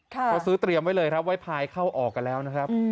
เขาซื้อเตรียมไว้เลยครับไว้พายเข้าออกกันแล้วนะครับ